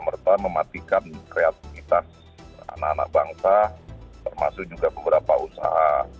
bukan tentu serta merta mematikan kreativitas anak anak bangsa termasuk juga beberapa usaha